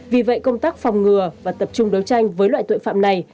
vì vậy công tác phòng ngừa và tập trung đấu tranh với loại tội phạm này